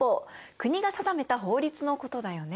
国が定めた法律のことだよね。